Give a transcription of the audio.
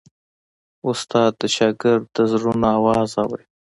استاد د شاګرد د زړونو آواز اوري.